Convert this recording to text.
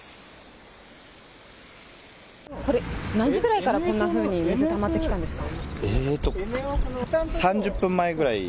これ何時くらいからこんなふうに水、たまってきたんですか。